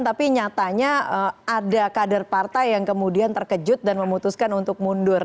tapi nyatanya ada kader partai yang kemudian terkejut dan memutuskan untuk mundur